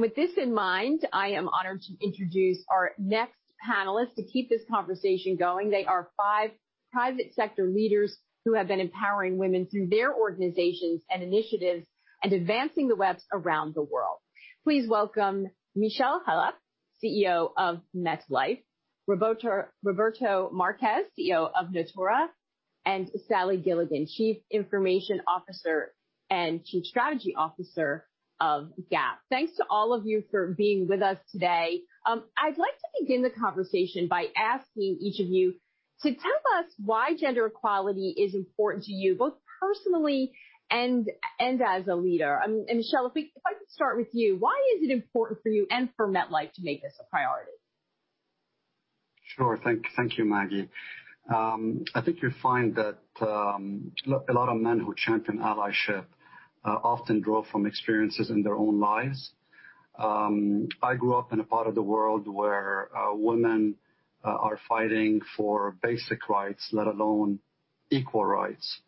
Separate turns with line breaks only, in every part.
With this in mind, I am honored to introduce our next panelists to keep this conversation going. They are five private sector leaders who have been empowering women through their organizations and initiatives and advancing the WEPs around the world. Please welcome Michel Khalaf, CEO of MetLife, Roberto Marques, CEO of Natura, and Sally Gilligan, Chief Information Officer and Chief Strategy Officer of Gap Inc. Thanks to all of you for being with us today. I'd like to begin the conversation by asking each of you to tell us why gender equality is important to you, both personally and as a leader. Michel, if I could start with you, why is it important for you and for MetLife to make this a priority?
Sure. Thank you, Maggie. I think you'll find that a lot of men who champion allyship often draw from experiences in their own lives. I grew up in a part of the world where women are fighting for basic rights, let alone equal rights.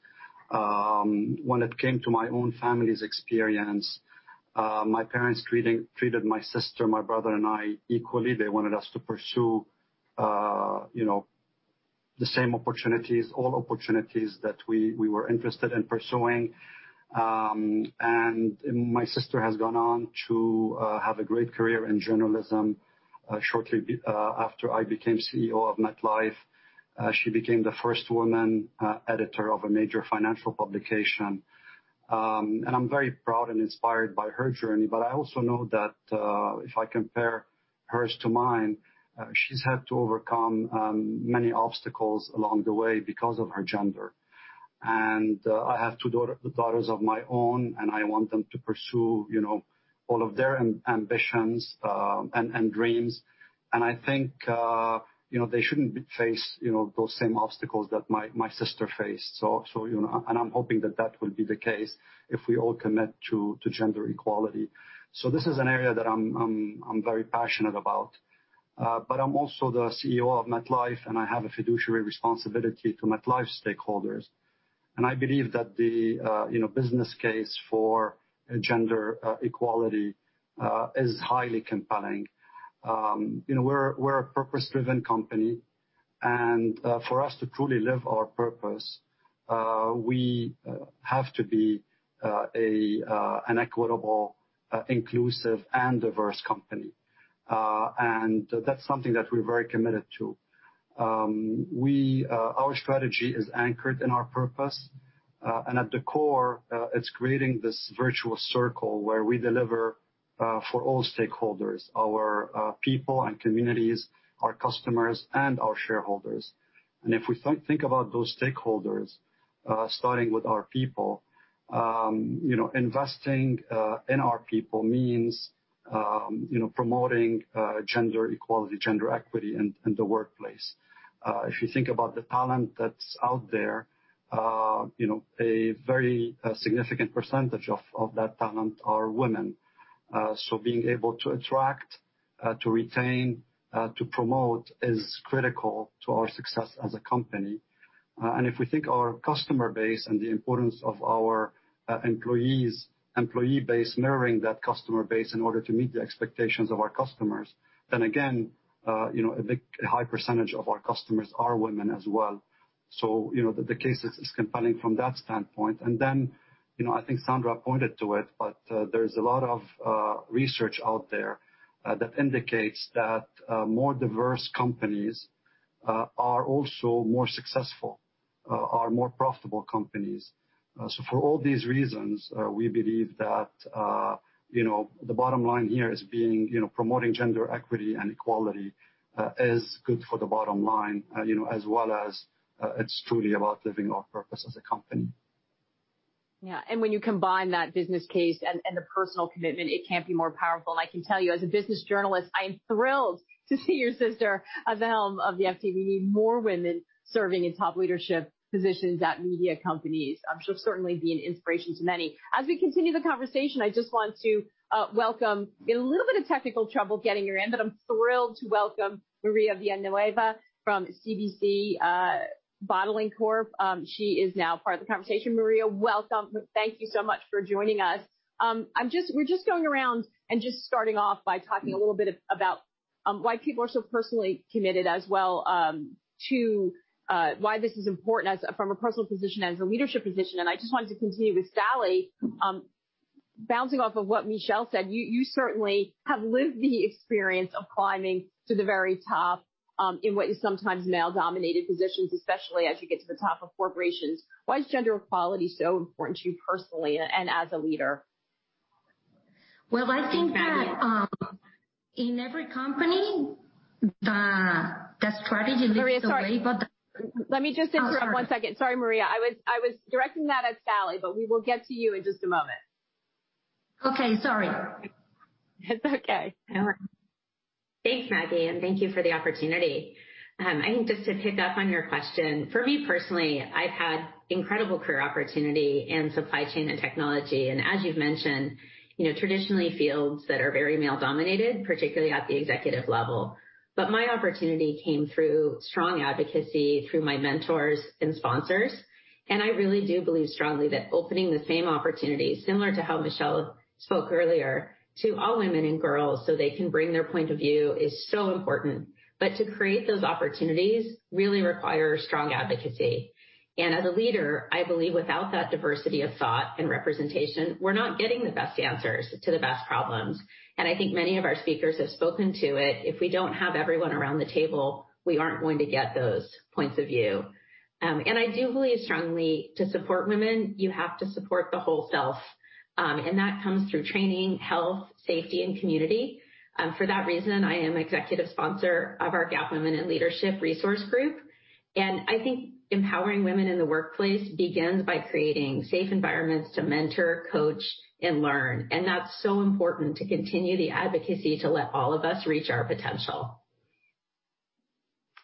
When it came to my own family's experience, my parents treated my sister, my brother, and I equally. They wanted us to pursue the same opportunities, all opportunities that we were interested in pursuing. My sister has gone on to have a great career in journalism. Shortly after I became CEO of MetLife, she became the first woman editor of a major financial publication. I'm very proud and inspired by her journey. I also know that, if I compare hers to mine, she's had to overcome many obstacles along the way because of her gender. I have two daughters of my own, and I want them to pursue all of their ambitions and dreams. I think they shouldn't face those same obstacles that my sister faced. I'm hoping that will be the case if we all commit to gender equality. This is an area that I'm very passionate about. I'm also the CEO of MetLife, and I have a fiduciary responsibility to MetLife stakeholders. I believe that the business case for gender equality is highly compelling. We're a purpose-driven company, and for us to truly live our purpose, we have to be an equitable, inclusive, and diverse company. That's something that we're very committed to. Our strategy is anchored in our purpose. At the core, it's creating this virtual circle where we deliver for all stakeholders, our people and communities, our customers, and our shareholders. If we think about those stakeholders, starting with our people, investing in our people means promoting gender equality, gender equity in the workplace. If you think about the talent that's out there, a very significant percentage of that talent are women. Being able to attract, to retain, to promote is critical to our success as a company. If we think our customer base and the importance of our employee base mirroring that customer base in order to meet the expectations of our customers, then again, a high percentage of our customers are women as well. The case is compelling from that standpoint. I think Sanda pointed to it, there's a lot of research out there that indicates that more diverse companies are also more successful, are more profitable companies. For all these reasons, we believe that the bottom line here is promoting gender equity and equality is good for the bottom line, as well as it's truly about living our purpose as a company.
When you combine that business case and the personal commitment, it can't be more powerful. I can tell you, as a business journalist, I am thrilled to see your sister at the helm of the FT. We need more women serving in top leadership positions at media companies. She'll certainly be an inspiration to many. We continue the conversation, I just want to welcome, we had a little bit of technical trouble getting her in, but I'm thrilled to welcome Maria Villanueva from CBC Bottling Corp. She is now part of the conversation. Maria, welcome. Thank you so much for joining us. We're just going around and just starting off by talking a little bit about why people are so personally committed as well, to why this is important from a personal position as a leadership position. I just wanted to continue with Sally. Bouncing off of what Michel said, you certainly have lived the experience of climbing to the very top in what is sometimes male-dominated positions, especially as you get to the top of corporations. Why is gender equality so important to you personally and as a leader?
I think that in every company, the strategy leads the way.
Maria, sorry. Let me just interrupt one second.
Oh, sorry.
Sorry, Maria. I was directing that at Sally, but we will get to you in just a moment.
Okay, sorry.
It's okay.
Thanks, Maggie. Thank you for the opportunity. I think just to pick up on your question, for me personally, I've had incredible career opportunity in supply chain and technology, as you've mentioned, traditionally fields that are very male-dominated, particularly at the executive level. My opportunity came through strong advocacy through my mentors and sponsors, and I really do believe strongly that opening the same opportunities, similar to how Michel spoke earlier, to all women and girls so they can bring their point of view, is so important. To create those opportunities really require strong advocacy. As a leader, I believe without that diversity of thought and representation, we're not getting the best answers to the best problems. I think many of our speakers have spoken to it. If we don't have everyone around the table, we aren't going to get those points of view. I do believe strongly, to support women, you have to support the whole self. That comes through training, health, safety, and community. For that reason, I am executive sponsor of our Gap Women in Leadership resource group. I think empowering women in the workplace begins by creating safe environments to mentor, coach, and learn. That's so important to continue the advocacy to let all of us reach our potential.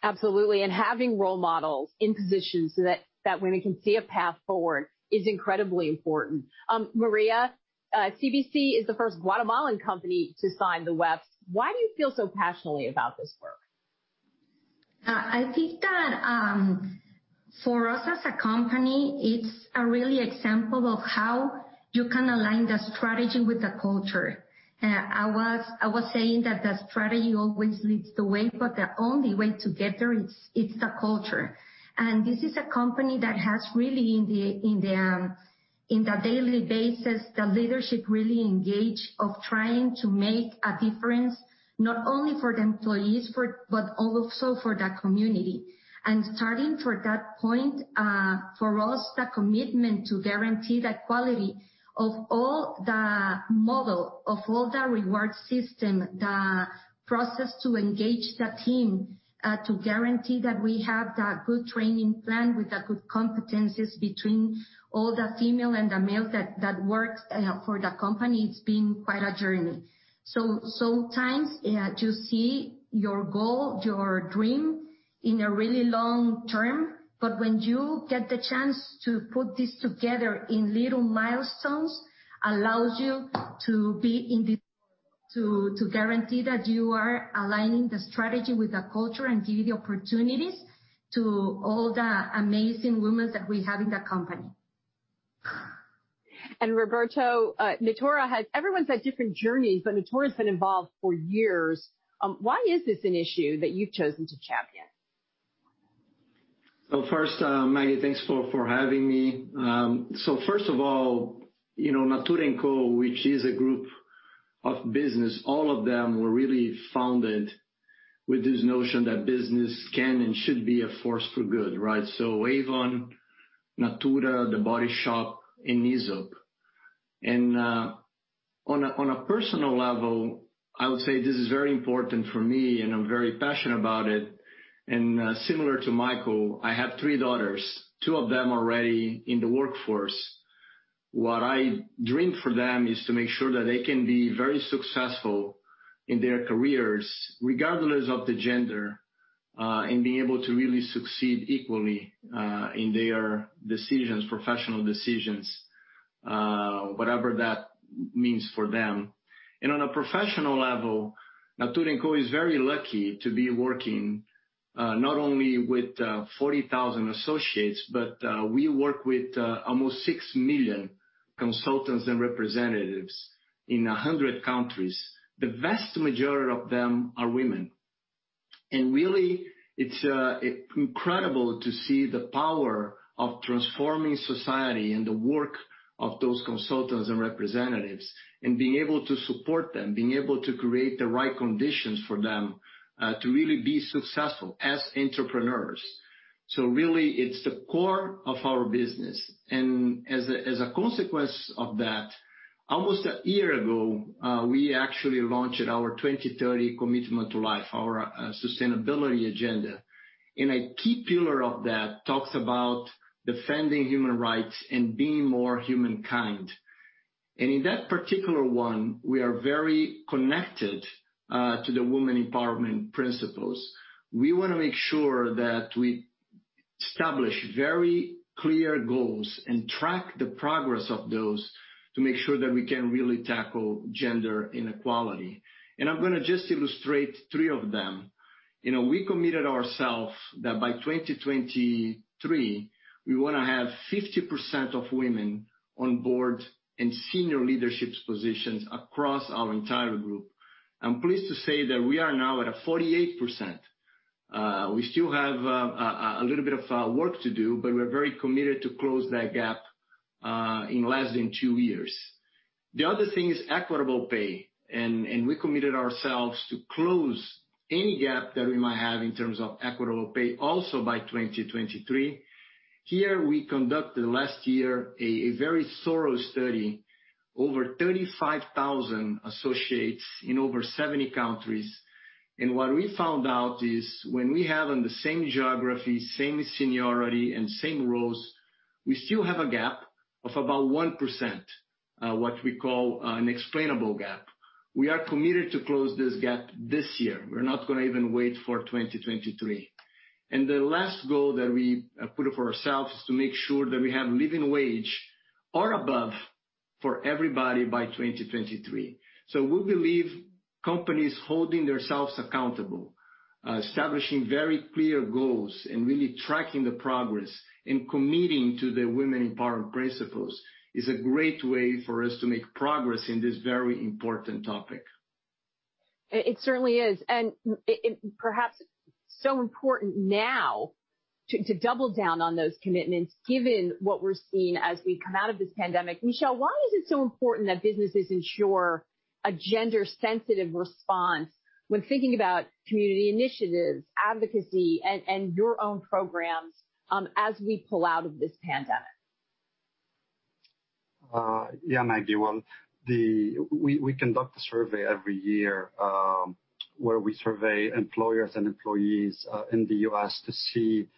Absolutely, having role models in positions so that women can see a path forward is incredibly important. Maria, CBC is the first Guatemalan company to sign the WEPs. Why do you feel so passionately about this work?
I think that for us as a company, it's a real example of how you can align the strategy with the culture. I was saying that the strategy always leads the way, but the only way to get there is the culture. This is a company that has really, on the daily basis, the leadership really engaged in trying to make a difference, not only for the employees, but also for the community. Starting from that point, for us, the commitment to guarantee the quality of all the model, of all the reward system, the process to engage the team, to guarantee that we have that good training plan with the good competencies between all the female and the male that work for the company, it's been quite a journey. Sometimes you see your goal, your dream in a real long term, but when you get the chance to put this together in little milestones, it allows you to be in to guarantee that you are aligning the strategy with the culture and give the opportunities to all the amazing women that we have in the company.
Roberto, everyone's had different journeys, but Natura's been involved for years. Why is this an issue that you've chosen to champion?
First, Maggie, thanks for having me. First of all, Natura &Co., which is a group of businesses, all of them were really founded with this notion that business can and should be a force for good, right? Avon, Natura, The Body Shop and Aesop. On a personal level, I would say this is very important for me, and I'm very passionate about it, and similar to Michel, I have three daughters, two of them are already in the workforce. What I dream for them is to make sure that they can be very successful in their careers regardless of the gender, and being able to really succeed equally, in their decisions, professional decisions, whatever that means for them. On a professional level, Natura &Co is very lucky to be working, not only with 40,000 associates, but we work with almost six million consultants and representatives in 100 countries. The vast majority of them are women. Really, it's incredible to see the power of transforming society and the work of those consultants and representatives and being able to support them, being able to create the right conditions for them, to really be successful as entrepreneurs. Really, it's the core of our business. As a consequence of that, almost a year ago, we actually launched our 2030 Commitment to Life, our sustainability agenda. A key pillar of that talks about defending human rights and being more humankind. In that particular one, we are very connected to the Women's Empowerment Principles. We want to make sure that we establish very clear goals and track the progress of those to make sure that we can really tackle gender inequality. I'm gonna just illustrate three of them. We committed ourself that by 2023, we wanna have 50% of women on board in senior leadership positions across our entire group. I'm pleased to say that we are now at a 48%. We still have a little bit of work to do, but we're very committed to close that gap in less than two years. The other thing is equitable pay, and we committed ourselves to close any gap that we might have in terms of equitable pay, also by 2023. Here, we conducted last year a very thorough study, over 35,000 associates in over 70 countries. What we found out is when we have in the same geography, same seniority, and same roles, we still have a gap of about 1%, what we call an explainable gap. We are committed to close this gap this year. We're not going to even wait for 2023. The last goal that we put for ourselves is to make sure that we have living wage or above for everybody by 2023. We believe companies holding themselves accountable, establishing very clear goals, and really tracking the progress, and committing to the Women's Empowerment Principles is a great way for us to make progress in this very important topic.
It certainly is. Perhaps so important now to double down on those commitments, given what we're seeing as we come out of this pandemic. Michel, why is it so important that businesses ensure a gender-sensitive response when thinking about community initiatives, advocacy, and your own programs as we pull out of this pandemic?
Yeah, Maggie. Well, we conduct a survey every year, where we survey employers and employees in the U.S. to see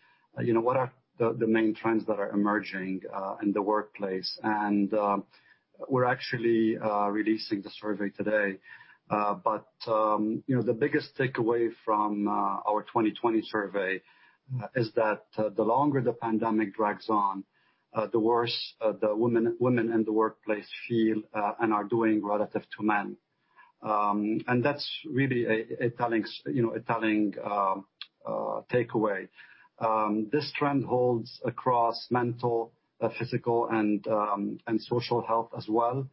what are the main trends that are emerging in the workplace. We're actually releasing the survey today. The biggest takeaway from our 2020 survey is that the longer the pandemic drags on, the worse the women in the workplace feel and are doing relative to men. That's really a telling takeaway. This trend holds across mental, physical, and social health as well.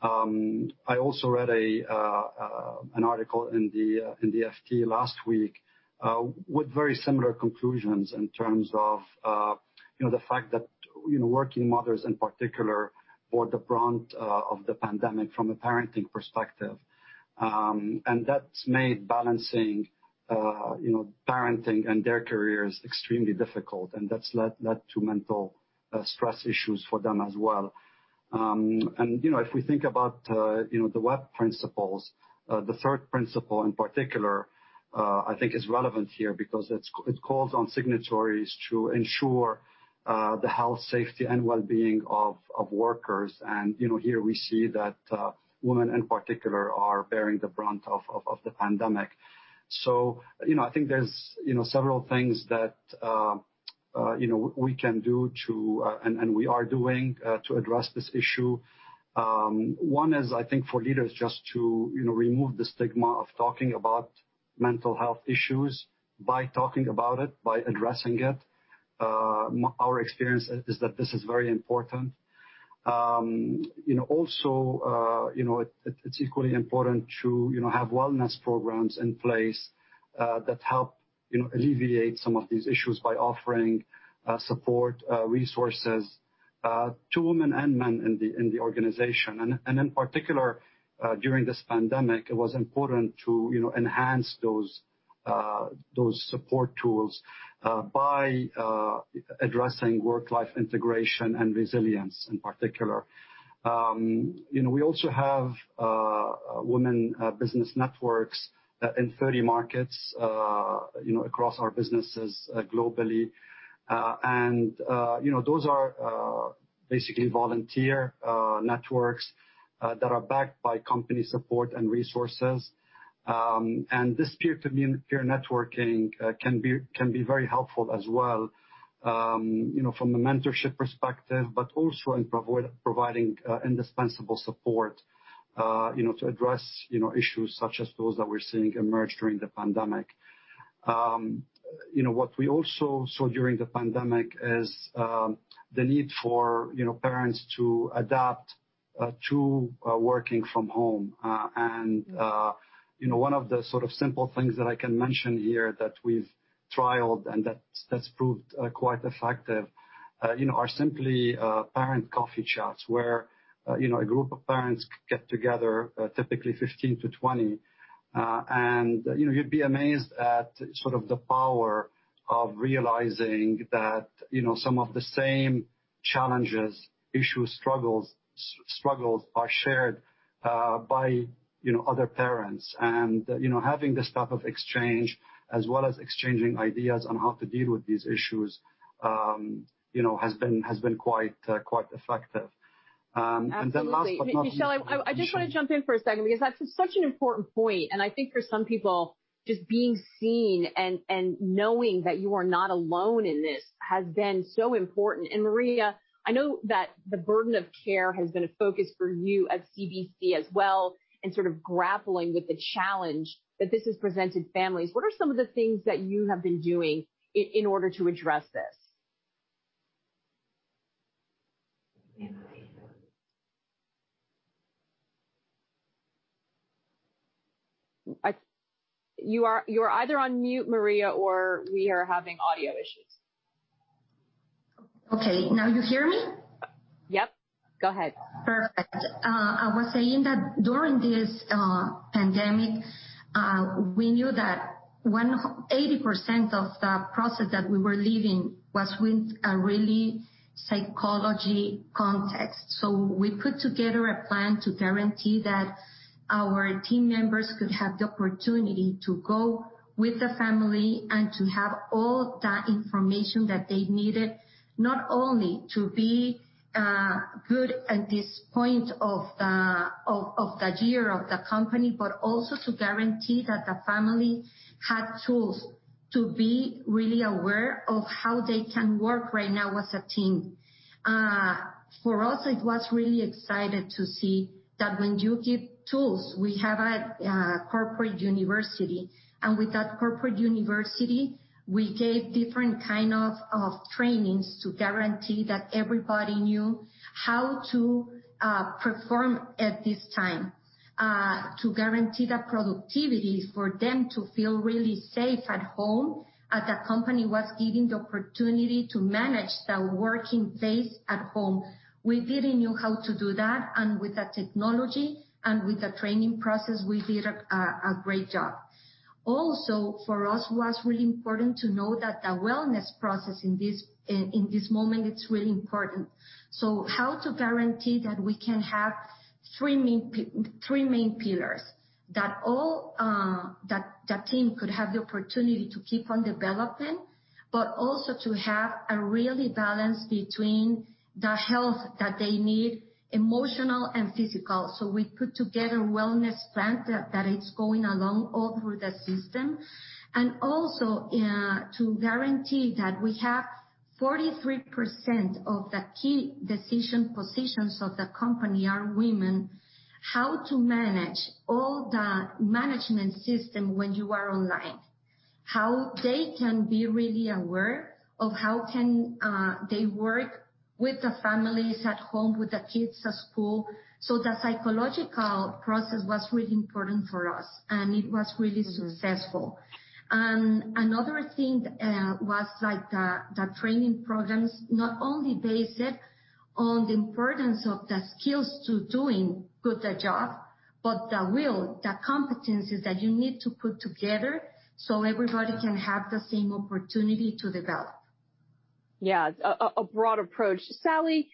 I also read an article in "The FT" last week with very similar conclusions in terms of the fact that working mothers in particular bore the brunt of the pandemic from a parenting perspective. That's made balancing parenting and their careers extremely difficult, and that's led to mental stress issues for them as well. If we think about the WEP principles, the third principle in particular, I think is relevant here because it calls on signatories to ensure the health, safety, and well-being of workers. Here we see that women, in particular, are bearing the brunt of the pandemic. I think there's several things that we can do to, and we are doing, to address this issue. One is, I think, for leaders just to remove the stigma of talking about mental health issues by talking about it, by addressing it. Our experience is that this is very important. Also, it's equally important to have wellness programs in place that help alleviate some of these issues by offering support resources to women and men in the organization. In particular, during this pandemic, it was important to enhance those support tools by addressing work-life integration and resilience in particular. We also have women business networks in 30 markets across our businesses globally. Those are basically volunteer networks that are backed by company support and resources. This peer networking can be very helpful as well from a mentorship perspective, but also in providing indispensable support to address issues such as those that we're seeing emerge during the pandemic. What we also saw during the pandemic is the need for parents to adapt to working from home. One of the sort of simple things that I can mention here that we've trialed and that's proved quite effective are simply parent coffee chats where a group of parents get together, typically 15 to 20. You'd be amazed at sort of the power of realizing that some of the same challenges, issues, struggles are shared by other parents. Having this type of exchange, as well as exchanging ideas on how to deal with these issues has been quite effective. Last but not least.
Absolutely. Michel, I just want to jump in for a second because that's such an important point. I think for some people, just being seen and knowing that you are not alone in this has been so important. Maria, I know that the burden of care has been a focus for you at CBC as well in sort of grappling with the challenge that this has presented families. What are some of the things that you have been doing in order to address this? You're either on mute, Maria, or we are having audio issues.
Okay. Now you hear me?
Yep. Go ahead.
Perfect. I was saying that during this pandemic, we knew that 80% of the process that we were living was with a really psychology context. We put together a plan to guarantee that our team members could have the opportunity to go with the family and to have all that information that they needed, not only to be good at this point of the year of the company, but also to guarantee that the family had tools to be really aware of how they can work right now as a team. For us, it was really exciting to see that when you give tools, we have a corporate university, and with that corporate university, we gave different kinds of trainings to guarantee that everybody knew how to perform at this time to guarantee the productivity, for them to feel really safe at home, as the company was given the opportunity to manage the working days at home. We didn't know how to do that, with the technology and with the training process, we did a great job. For us, it was really important to know that the wellness process in this moment is really important. How to guarantee that we can have three main pillars, that the team could have the opportunity to keep on developing, but also to have a really balance between the health that they need, emotional and physical. We put together a wellness plan that is going along all through the system. To guarantee that we have 43% of the key decision positions of the company are women, how to manage all the management system when you are online. How they can be really aware of how can they work with the families at home, with the kids at school. The psychological process was really important for us, and it was really successful. Another thing was the training programs, not only based on the importance of the skills to doing a good job, but the will, the competencies that you need to put together so everybody can have the same opportunity to develop.
Yeah. A broad approach. Sally,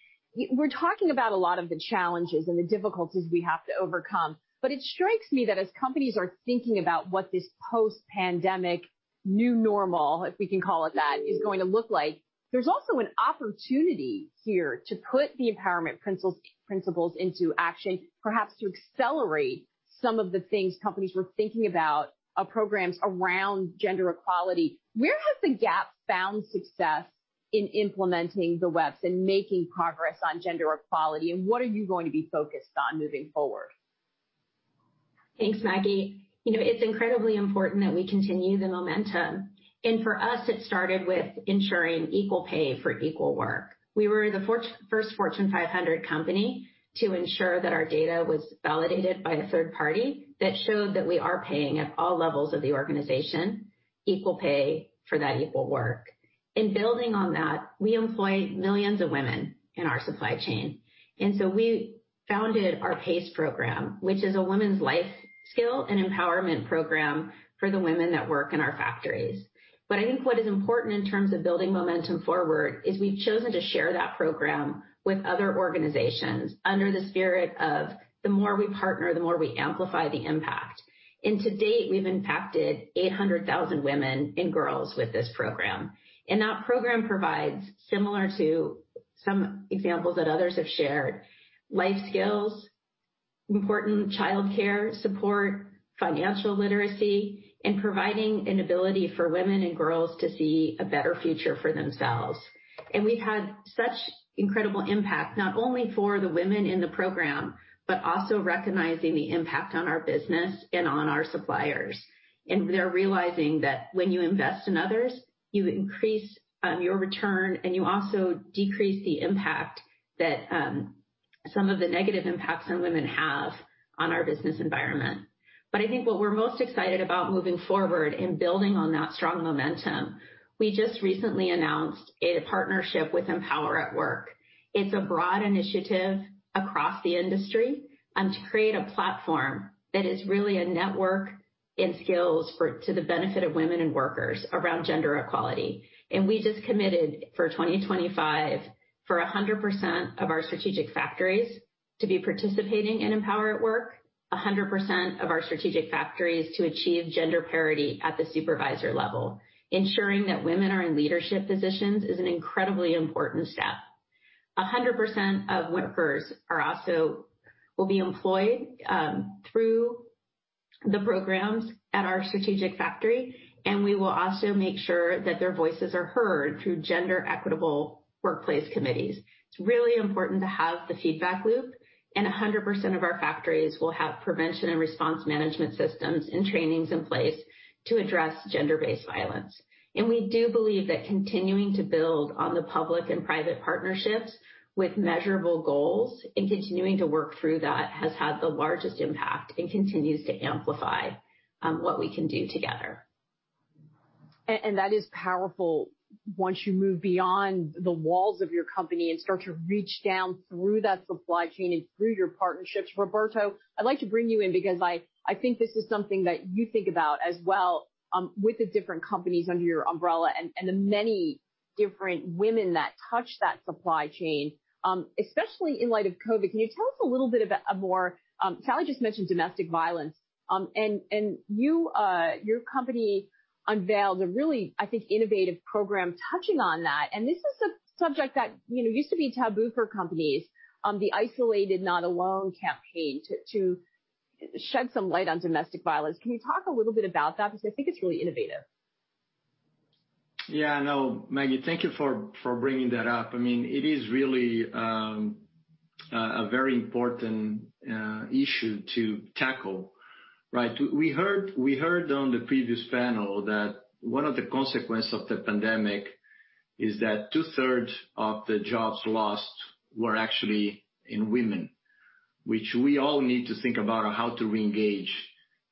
we're talking about a lot of the challenges and the difficulties we have to overcome. It strikes me that as companies are thinking about what this post-pandemic new normal, if we can call it that, is going to look like, there's also an opportunity here to put the empowerment principles into action, perhaps to accelerate some of the things companies were thinking about, programs around gender equality. Where has the Gap found success in implementing the WEPs and making progress on gender equality, and what are you going to be focused on moving forward?
Thanks, Maggie. It's incredibly important that we continue the momentum. For us, it started with ensuring equal pay for equal work. We were the first Fortune 500 company to ensure that our data was validated by a third party that showed that we are paying, at all levels of the organization, equal pay for that equal work. In building on that, we employ millions of women in our supply chain. We founded our P.A.C.E. program, which is a women's life skill and empowerment program for the women that work in our factories. I think what is important in terms of building momentum forward is we've chosen to share that program with other organizations under the spirit of the more we partner, the more we amplify the impact. To date, we've impacted 800,000 women and girls with this program. That program provides, similar to some examples that others have shared, life skills, important childcare support, financial literacy, and providing an ability for women and girls to see a better future for themselves. We've had such incredible impact, not only for the women in the program, but also recognizing the impact on our business and on our suppliers. They're realizing that when you invest in others, you increase your return, and you also decrease some of the negative impacts on women have on our business environment. I think what we're most excited about moving forward in building on that strong momentum, we just recently announced a partnership with Empower at Work. It's a broad initiative across the industry to create a platform that is really a network and skills to the benefit of women and workers around gender equality. We just committed for 2025 for 100% of our strategic factories to be participating in Empower at Work, 100% of our strategic factories to achieve gender parity at the supervisor level. Ensuring that women are in leadership positions is an incredibly important step. 100% of workers also will be employed through the programs at our strategic factory, and we will also make sure that their voices are heard through gender equitable workplace committees. It's really important to have the feedback loop, 100% of our factories will have prevention and response management systems and trainings in place to address gender-based violence. We do believe that continuing to build on the public and private partnerships with measurable goals and continuing to work through that has had the largest impact and continues to amplify what we can do together.
That is powerful once you move beyond the walls of your company and start to reach down through that supply chain and through your partnerships. Roberto, I'd like to bring you in because I think this is something that you think about as well with the different companies under your umbrella and the many different women that touch that supply chain, especially in light of COVID. Can you tell us a little bit more? Sally just mentioned domestic violence. Your company unveiled a really, I think, innovative program touching on that. This is a subject that used to be taboo for companies, the Isolated Not Alone campaign to shed some light on domestic violence. Can you talk a little bit about that? Because I think it's really innovative.
I know, Maggie. Thank you for bringing that up. It is really a very important issue to tackle, right? We heard on the previous panel that one of the consequences of the pandemic is that two-thirds of the jobs lost were actually in women, which we all need to think about how to reengage,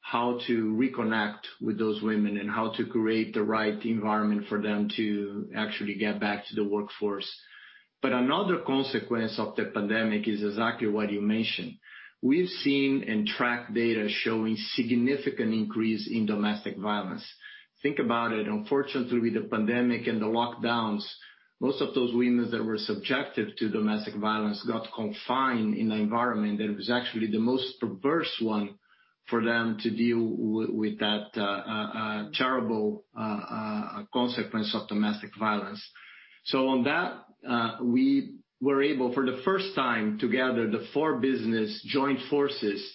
how to reconnect with those women, and how to create the right environment for them to actually get back to the workforce. Another consequence of the pandemic is exactly what you mentioned. We've seen and tracked data showing significant increase in domestic violence. Think about it. Unfortunately, with the pandemic and the lockdowns, most of those women that were subjected to domestic violence got confined in an environment that was actually the most perverse one for them to deal with that terrible consequence of domestic violence. On that, we were able, for the first time, together, the four business joint forces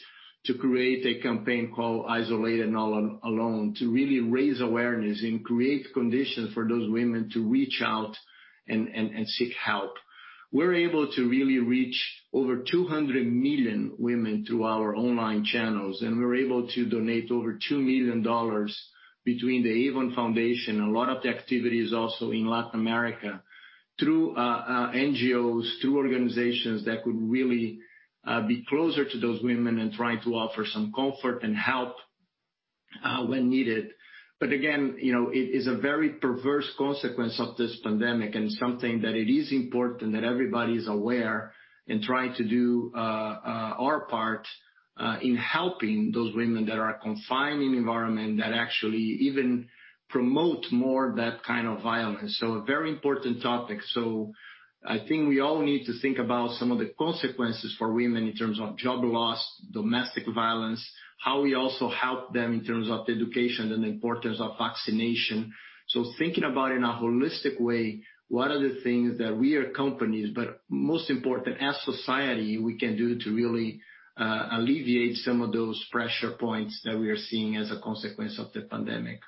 to create a campaign called Isolated Not Alone to really raise awareness and create conditions for those women to reach out and seek help. We're able to really reach over 200 million women through our online channels, and we're able to donate over $2 million between the Avon Foundation, a lot of the activities also in Latin America, through NGOs, through organizations that could really be closer to those women and try to offer some comfort and help when needed. Again, it is a very perverse consequence of this pandemic and something that it is important that everybody is aware and try to do our part in helping those women that are confined in environment that actually even promote more that kind of violence. A very important topic. I think we all need to think about some of the consequences for women in terms of job loss, domestic violence, how we also help them in terms of education and importance of vaccination. Thinking about in a holistic way, what are the things that we as companies, but most important, as society, we can do to really alleviate some of those pressure points that we are seeing as a consequence of the pandemic.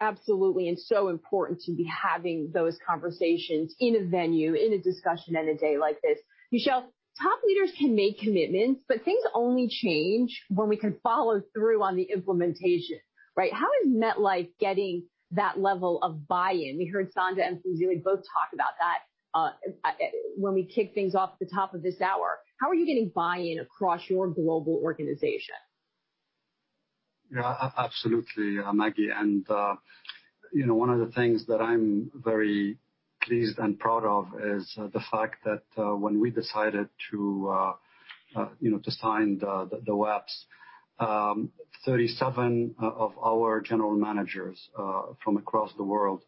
Absolutely, and so important to be having those conversations in a venue, in a discussion, in a day like this. Michel, top leaders can make commitments, but things only change when we can follow through on the implementation, right? How is MetLife getting that level of buy-in? We heard Sanda and Phumzile both talk about that when we kicked things off at the top of this hour. How are you getting buy-in across your global organization?
Absolutely, Maggie. One of the things that I'm very pleased and proud of is the fact that, when we decided to sign the WEPs, 37 of our general managers from across the world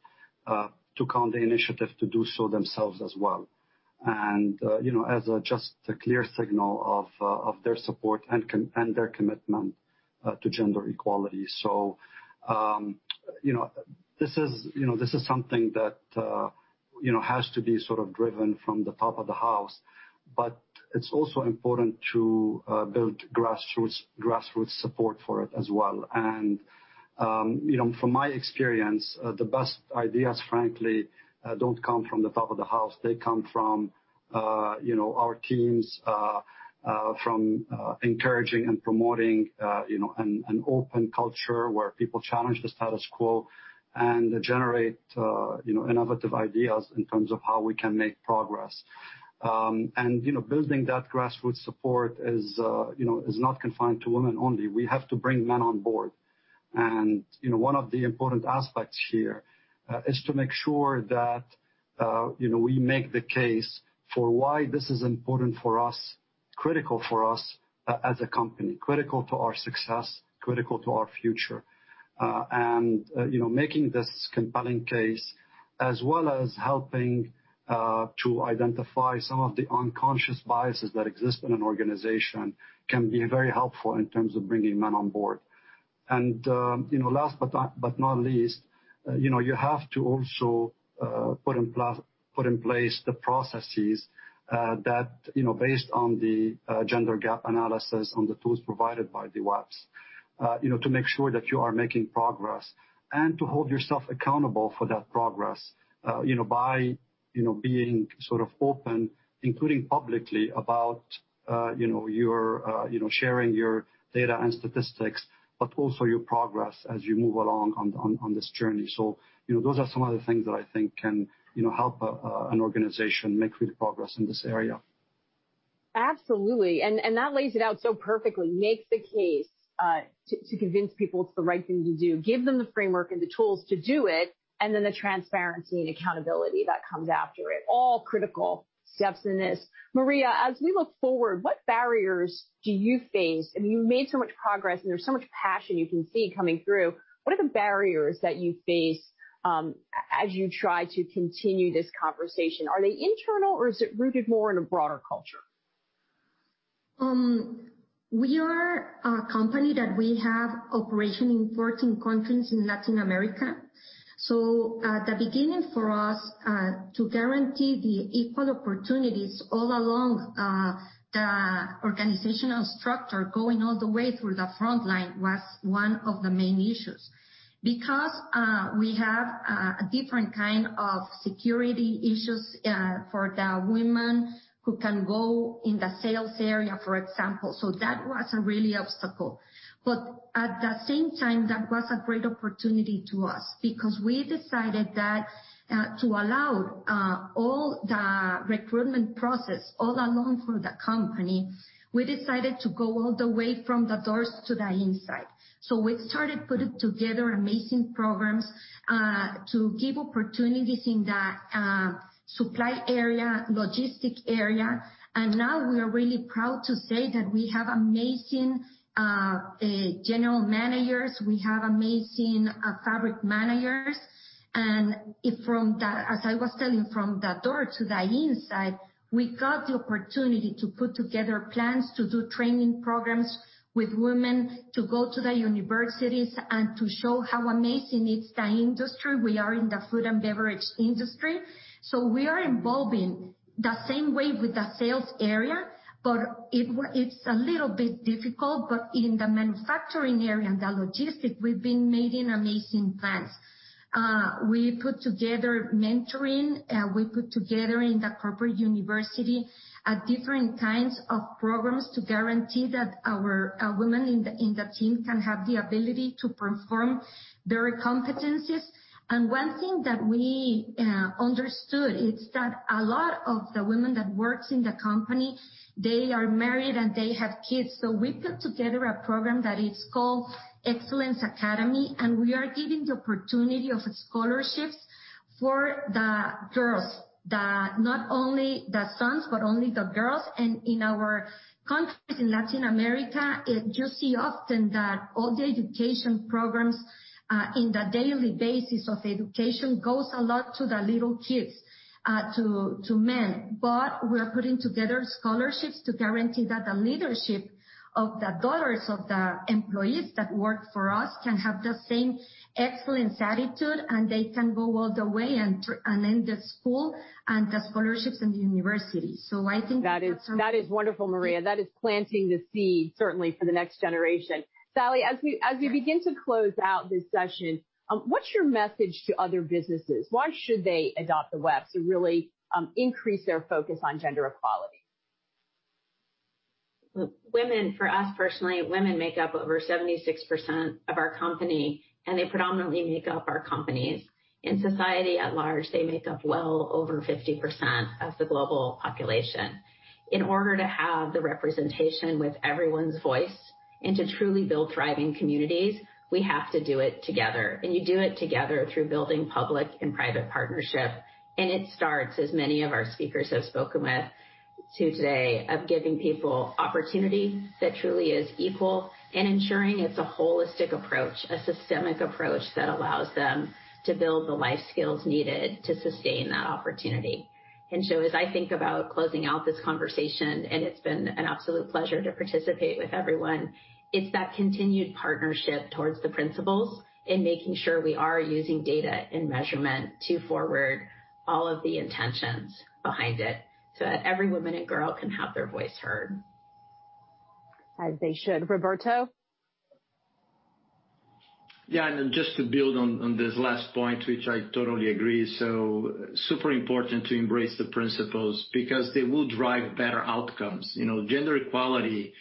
took on the initiative to do so themselves as well, as just a clear signal of their support and their commitment to gender equality. This is something that has to be sort of driven from the top of the house, but it's also important to build grassroots support for it as well. From my experience, the best ideas, frankly, don't come from the top of the house. They come from our teams, from encouraging and promoting an open culture where people challenge the status quo and generate innovative ideas in terms of how we can make progress. Building that grassroots support is not confined to women only. We have to bring men on board. One of the important aspects here is to make sure that we make the case for why this is important for us, critical for us as a company, critical to our success, critical to our future. Making this compelling case, as well as helping to identify some of the unconscious biases that exist in an organization, can be very helpful in terms of bringing men on board. Last but not least, you have to also put in place the processes that based on the gender gap analysis on the tools provided by the WEPs to make sure that you are making progress and to hold yourself accountable for that progress by being sort of open, including publicly about sharing your data and statistics, but also your progress as you move along on this journey. Those are some of the things that I think can help an organization make real progress in this area.
Absolutely. That lays it out so perfectly. Make the case to convince people it's the right thing to do, give them the framework and the tools to do it, then the transparency and accountability that comes after it. All critical steps in this. Maria, as we look forward, what barriers do you face? You've made so much progress, and there's so much passion you can see coming through. What are the barriers that you face as you try to continue this conversation? Are they internal, or is it rooted more in a broader culture?
We are a company that we have operation in 14 countries in Latin America. At the beginning, for us to guarantee the equal opportunities all along the organizational structure, going all the way through the front line was one of the main issues. We have a different kind of security issues for the women who can go in the sales area, for example. That was a real obstacle. At the same time, that was a great opportunity to us because we decided that to allow all the recruitment process all along through the company, we decided to go all the way from the doors to the inside. We started putting together amazing programs to give opportunities in the supply area, logistic area, and now we are really proud to say that we have amazing general managers, we have amazing fabric managers. As I was telling, from the door to the inside, we got the opportunity to put together plans to do training programs with women to go to the universities and to show how amazing it's the industry. We are in the food and beverage industry. We are involving the same way with the sales area, it's a little bit difficult. In the manufacturing area and the logistic, we've been making amazing plans. We put together mentoring. We put together in the corporate university different kinds of programs to guarantee that our women in the team can have the ability to perform their competencies. One thing that we understood is that a lot of the women that works in the company, they are married, and they have kids. We put together a program that is called Excellence Academy, we are giving the opportunity of scholarships for the girls, not only the sons, but only the girls. In our countries in Latin America, you see often that all the education programs in the daily basis of education goes a lot to the little kids, to men. We are putting together scholarships to guarantee that the leadership of the daughters of the employees that work for us can have the same excellence attitude, they can go all the way and end the school and the scholarships in the university. I think that's something.
That is wonderful, Maria. That is planting the seed, certainly, for the next generation. Sally, as we begin to close out this session, what's your message to other businesses? Why should they adopt the WEPs and really increase their focus on gender equality?
Women, for us personally, women make up over 76% of our company, and they predominantly make up our companies. In society at large, they make up well over 50% of the global population. In order to have the representation with everyone's voice and to truly build thriving communities, we have to do it together. You do it together through building public and private partnership. It starts, as many of our speakers have spoken with to today, of giving people opportunity that truly is equal and ensuring it's a holistic approach, a systemic approach that allows them to build the life skills needed to sustain that opportunity. As I think about closing out this conversation, it's been an absolute pleasure to participate with everyone, it's that continued partnership towards the principles and making sure we are using data and measurement to forward all of the intentions behind it so that every woman and girl can have their voice heard.
As they should. Roberto?
Just to build on this last point, which I totally agree. Super important to embrace the principles because they will drive better outcomes. Gender equality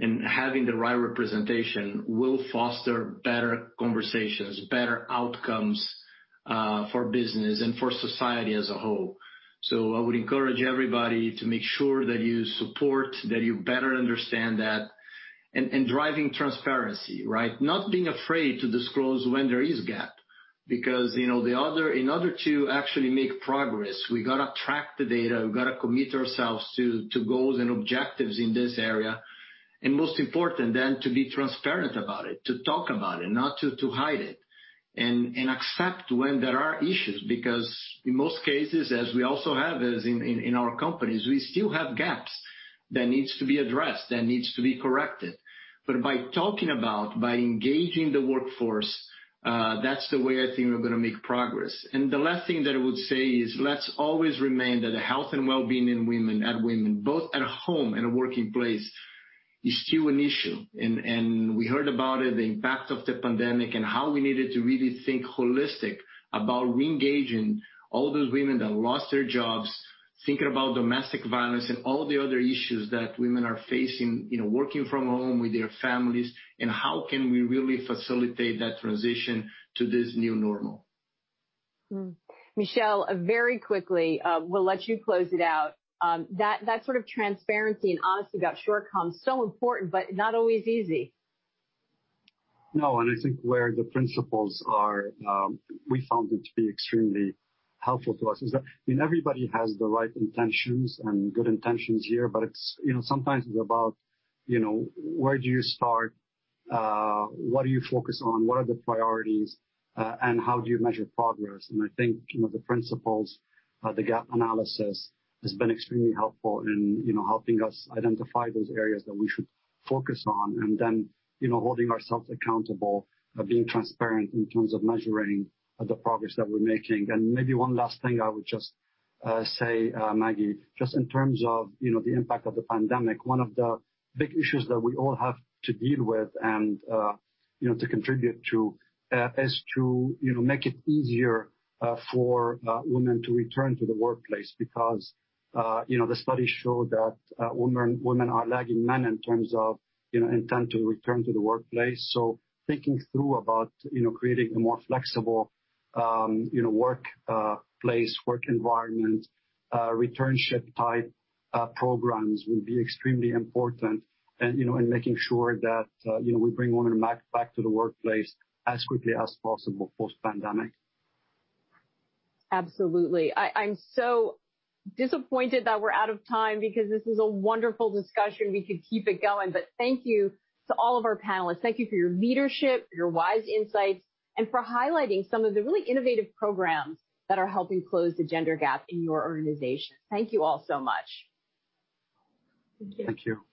and having the right representation will foster better conversations, better outcomes for business and for society as a whole. I would encourage everybody to make sure that you support, that you better understand that, driving transparency, right? Not being afraid to disclose when there is gap. In order to actually make progress, we got to track the data, we got to commit ourselves to goals and objectives in this area. Most important to be transparent about it, to talk about it, not to hide it. Accept when there are issues, because in most cases, as we also have as in our companies, we still have gaps that needs to be addressed, that needs to be corrected. By talking about, by engaging the workforce, that's the way I think we're going to make progress. The last thing that I would say is let's always remember that the health and wellbeing in women and women both at home and a working place is still an issue. We heard about it, the impact of the pandemic, and how we needed to really think holistic about reengaging all those women that lost their jobs, thinking about domestic violence and all the other issues that women are facing, working from home with their families, and how can we really facilitate that transition to this new normal?
Michel, very quickly, we'll let you close it out. That sort of transparency and honesty about shortcomings, so important but not always easy.
No, I think where the principles are, we found it to be extremely helpful to us is that everybody has the right intentions and good intentions here, but sometimes it's about where do you start? What do you focus on? What are the priorities? How do you measure progress? I think the principles, the gap analysis has been extremely helpful in helping us identify those areas that we should focus on, then holding ourselves accountable and being transparent in terms of measuring the progress that we're making. Maybe one last thing I would just say, Maggie, just in terms of the impact of the pandemic, one of the big issues that we all have to deal with and to contribute to is to make it easier for women to return to the workplace. The studies show that women are lagging men in terms of intent to return to the workplace. Thinking through about creating a more flexible workplace, work environment, returnship-type programs will be extremely important in making sure that we bring women back to the workplace as quickly as possible post-pandemic.
Absolutely. I'm so disappointed that we're out of time because this is a wonderful discussion. We could keep it going. Thank you to all of our panelists. Thank you for your leadership, your wise insights, and for highlighting some of the really innovative programs that are helping close the gender gap in your organization. Thank you all so much.
Thank you.
Thank you.